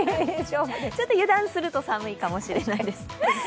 油断すると寒いかもしれないです。